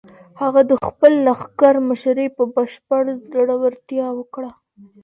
هغه د خپل لښکر مشري په بشپړ زړورتیا وکړه.